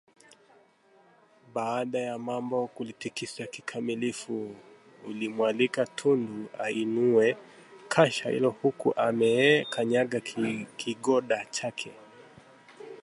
Baada ya Mambo kulitikisa kikamilifu, alimwalika Tundu ainue kasha hilo huku amekanyaga kigoda chake